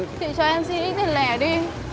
chị cho em xin ít tiền lẻ đi